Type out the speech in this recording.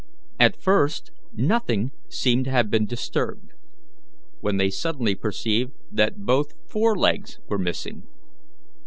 At first nothing seemed to have been disturbed, when they suddenly perceived that both forelegs were missing.